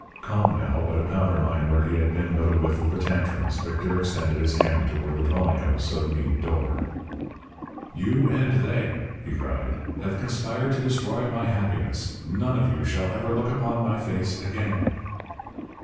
Calm now, but a powder mine where he had been but a whiff of the tantrums, Victor extended his hand toward the dwelling house of Meade d'Or. "You and they," he cried, "have conspired to destroy my happiness. None of you shall ever look upon my face again."